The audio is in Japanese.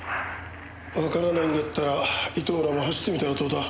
わからないんだったら糸村も走ってみたらどうだ？